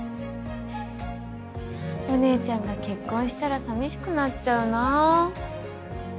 お姉ちゃんが結婚したら寂しくなっちゃうな。